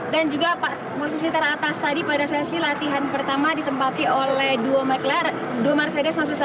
dan juga musisi teratas tadi pada sesi latihan pertama ditempati oleh duo mercedes